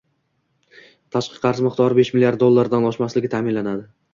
tashqi qarz miqdori besh milliard dollardan oshmasligi ta’minlanadi.